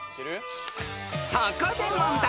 ［そこで問題］